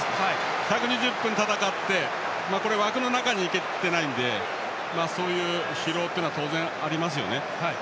１２０分戦って枠の中に行けていないのでそういう疲労というのは当然、ありますよね。